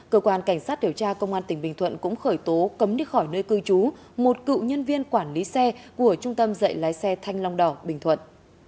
cơ quan cảnh sát điều tra công an tỉnh bình thuận cũng khởi tố cấm đi khỏi nơi cư trú một cựu nhân viên quản lý xe của trung tâm dạy lái xe thanh long đỏ bình thuận